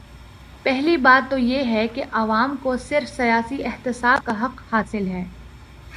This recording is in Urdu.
پہلی بات تو یہ ہے کہ عوام کو صرف سیاسی احتساب کا حق حاصل ہے۔